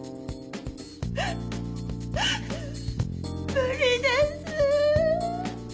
無理です。